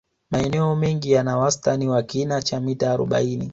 Maeneo mengi yana wastani wa kina cha mita arobaini